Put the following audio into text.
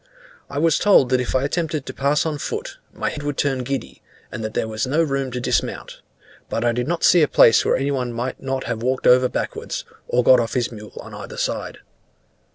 I was told that if I attempted to pass on foot, my head would turn giddy, and that there was no room to dismount; but I did not see a place where any one might not have walked over backwards, or got off his mule on either side.